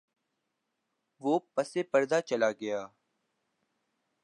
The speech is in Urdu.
وہ پس پردہ چلاگیا۔